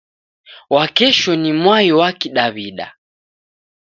Wakesho ni mwai wa kidaw'ida.